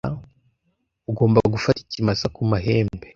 Ugomba gufata ikimasa ku mahembe!